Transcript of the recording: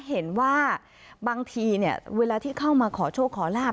บางทีเนี่ยเวลาที่เข้ามาขอโชคขอลาบ